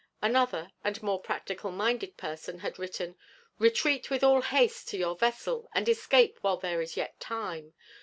Another and more practical minded person had written: "Retreat with all haste to your vessel, and escape while there is yet time.